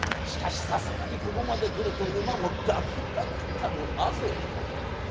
しかしさすがにここまで来ると馬もだくだくたる汗をかいた。